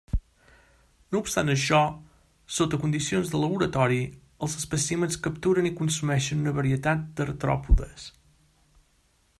No obstant això, sota condicions de laboratori, els espècimens capturen i consumeixen una varietat d'artròpodes.